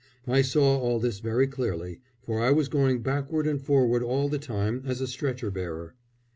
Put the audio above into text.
I saw all this very clearly, for I was going backward and forward all the time as a stretcher bearer.